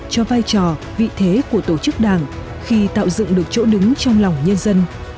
cho vai trò vị thế của tổ chức đảng khi tạo dựng được chỗ đứng trong lòng nhân dân